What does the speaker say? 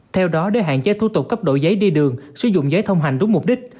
theo đó để hạn chế thủ tục cấp đổi giấy đi đường sử dụng giấy thông hành đúng mục đích